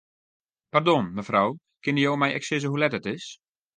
Pardon, mefrou, kinne jo my ek sizze hoe let it is?